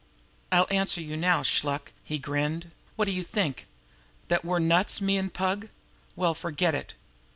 "I'll answer you now, Shluk," he grinned. "What do you think? That we're nuts, me an' Pug? Well, forget it!